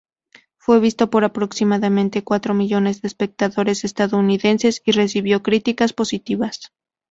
Fue visto por aproximadamente cuatro millones de espectadores estadounidenses y recibió críticas positivas.